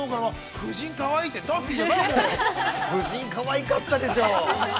◆藤井、かわいかったでしょう。